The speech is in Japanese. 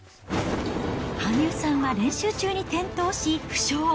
羽生さんは練習中に転倒し負傷。